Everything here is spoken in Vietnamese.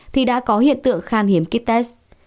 thì đã có hiện tượng khan hiếm kít test